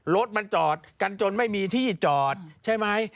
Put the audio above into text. รถมันจอดกันจนไม่มีที่จอดใช่ไหม